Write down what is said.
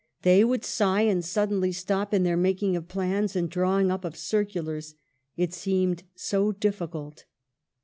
They would sigh, and suddenly stop in their making of plans and drawing up of circulars. It seemed so dif ficult.